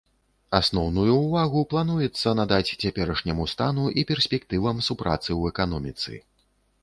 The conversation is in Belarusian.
Асноўную ўвагу плануецца надаць цяперашняму стану і перспектывам супрацы ў эканоміцы.